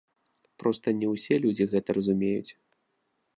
Проста не ўсе людзі гэта разумеюць.